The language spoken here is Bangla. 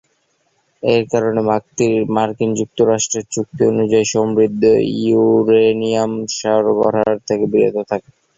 এর কারণে মার্কিন যুক্তরাষ্ট্রে চুক্তি অনুযায়ী সমৃদ্ধ ইউরেনিয়াম সরবরাহের থেকে বিরত থাকে।